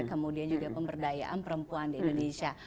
kemudian juga pemberdayaan perempuan di indonesia